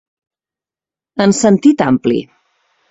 En sentit ampli.